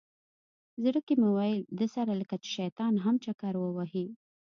زړه کې مې ویل ده سره لکه چې شیطان هم چکر ووهي.